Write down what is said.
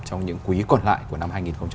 trong những quý còn lại của năm hai nghìn hai mươi